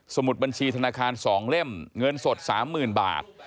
สมุดบัญชีธนาคารสองเล่มเงินสดสามหมื่นบาท